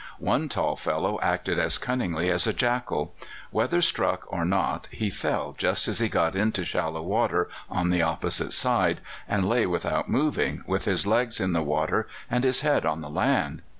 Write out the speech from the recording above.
One tall fellow acted as cunningly as a jackal. Whether struck or not, he fell just as he got into shallow water on the opposite side, and lay without moving, with his legs in the water and his head on the land.